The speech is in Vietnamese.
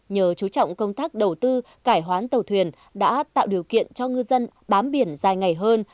nhờ chú trọng công tác đầu tư cải hoán tàu thuyền đã tạo điều kiện cho ngư dân bám biển dài ngày hơn